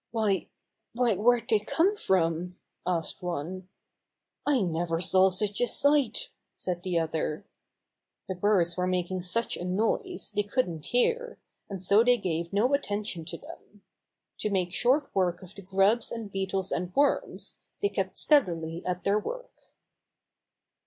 "Why — ^v^hy where'd they come from?" asked one. "I never saw such a sight," said the other. The birds were making such a noise, they couldn't hear, and so they gave no attention to them. To make short work of the grubs and beetles and worms, they kept steadily at their work.